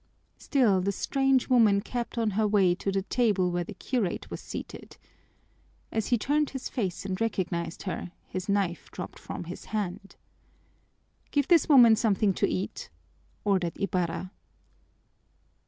Still the strange woman kept on her way to the table where the curate was seated. As he turned his face and recognized her, his knife dropped from his hand. "Give this woman something to eat," ordered Ibarra.